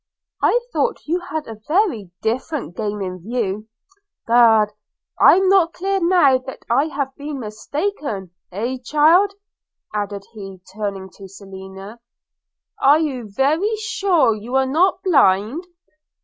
I thought you had a very different game in view – Egad, I'm not clear now that I have been mistaken – Heh, child!' added he turning to Selina, 'are you very sure you are not a blind?